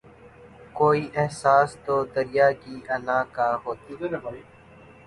کوئی احساس تو دریا کی انا کا ہوت